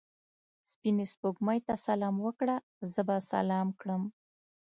سپینې سپوږمۍ ته سلام وکړه؛ زه به سلام کړم.